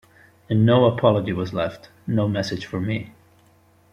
And no apology was left, no message for me.